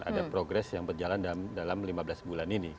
ada progres yang berjalan dalam lima belas bulan ini